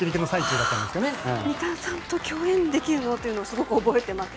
三田さんと共演できるのというのをすごく覚えています。